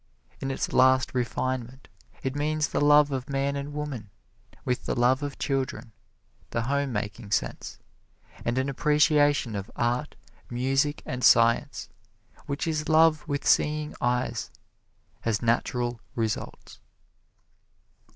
In its last refinement it means the love of man and woman, with the love of children, the home making sense, and an appreciation of art, music and science which is love with seeing eyes as natural results.